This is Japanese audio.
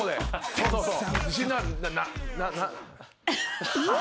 そうそうそう。